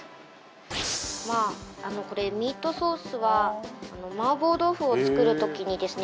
まあこれミートソースは麻婆豆腐を作る時にですね